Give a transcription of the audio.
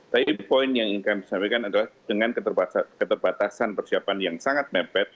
tapi poin yang ingin kami sampaikan adalah dengan keterbatasan persiapan yang sangat mepet